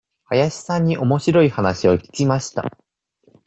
林さんにおもしろい話を聞きました。